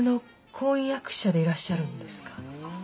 婚約者でいらっしゃるんですか？